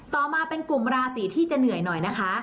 ต่อมาเป็นกลุ่มราศีที่จะเหนื่อยหน่อยนะคะ